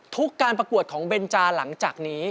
การประกวดของเบนจาหลังจากนี้